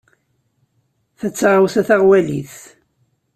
Ta d taɣawsa taɣwalit.